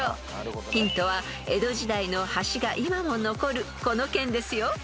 ［ヒントは江戸時代の橋が今も残るこの県ですよ］